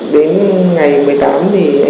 đến ngày một mươi tám thì anh hoàng bảo tôi là đi ra